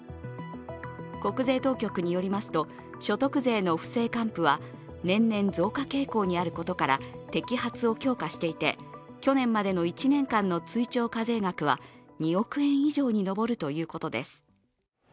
国税当局によりますと、所得税の不正還付は年々増加傾向にあることから摘発を強化していて去年までの１年間の追徴課税額は２億円以上に上るということです。